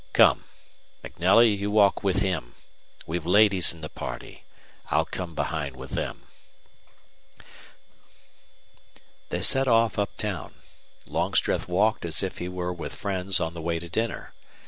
"Come. MacNelly, you walk with him. We've ladies in the party. I'll come behind with them." They set off up town. Longstreth walked as if he were with friends on the way to dinner.